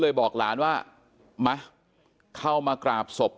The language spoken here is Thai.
เป็นมีดปลายแหลมยาวประมาณ๑ฟุตนะฮะที่ใช้ก่อเหตุ